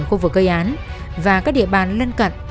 khu vực gây án và các địa bàn lân cận